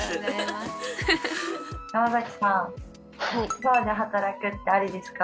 はい。